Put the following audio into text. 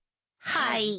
はい。